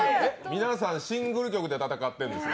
皆さんシングル曲で戦ってんです